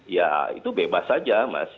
ya itu bebas saja mas